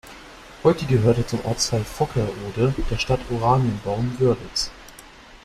Heute gehört er zum Ortsteil Vockerode der Stadt Oranienbaum-Wörlitz.